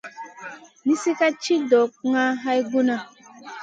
Nizi ka ci ɗokŋa hay guna.